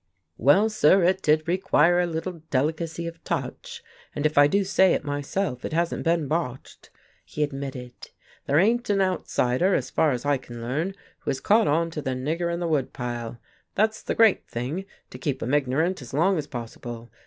"Well, sir, it did require a little delicacy of touch. And if I do say it myself, it hasn't been botched," he admitted. "There ain't an outsider, as far as I can learn, who has caught on to the nigger in the wood pile. That's the great thing, to keep 'em ignorant as long as possible.